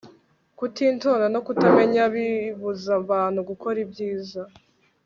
kutitonda no kutamenya bibuza abantu gukora ibyiza